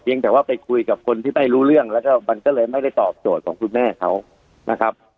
ยังแต่ว่าไปคุยกับคนที่ไม่รู้เรื่องแล้วก็มันก็เลยไม่ได้ตอบโจทย์ของคุณแม่เขานะครับ